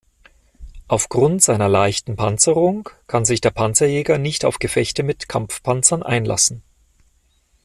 Aufgrund seiner leichten Panzerung kann sich der Panzerjäger nicht auf Gefechte mit Kampfpanzern einlassen.